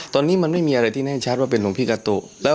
ตอนนี้มันไม่มีอะไรที่แน่ชัดว่าเป็นหลวงพี่กาตุ